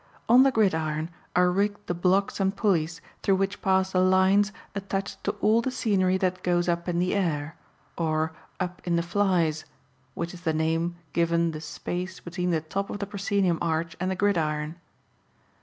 On the gridiron are rigged the blocks and pulleys through which pass the lines attached to all the scenery that goes up in the air, or "up in the flies," which is the name given the space between the top of the proscenium arch and the gridiron.